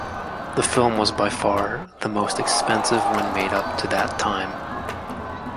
The film was by far the most expensive one made up to that time.